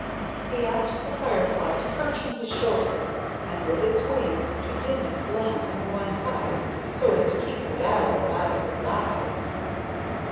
He asked the firefly to perch on his shoulder and with its wing to dim its lamp on the one side so as to keep the dazzle out of his eyes.